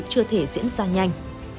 chưa thể diễn ra nhanh